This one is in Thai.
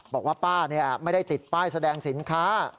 บอกว่าป้าไม่ได้ติดป้ายแสดงสินค้า